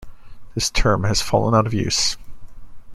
This term has fallen out of use.